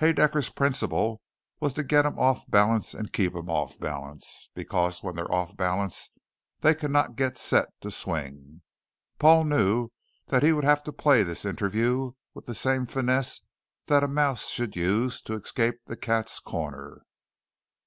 Haedaecker's principle was to get 'em off balance and keep 'em off balance, because when they're off balance they cannot get set to swing. Paul knew that he would have to play this interview with the same finesse that a mouse should use to escape the cat's corner.